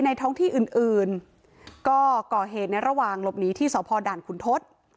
ท้องที่อื่นอื่นก็ก่อเหตุในระหว่างหลบหนีที่สพด่านขุนทศ